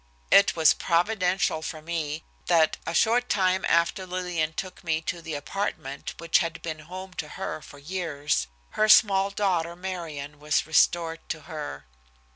It was providential for me that, a short time after Lillian took me to the apartment which had been home to her for years, her small daughter, Marion, was restored to her.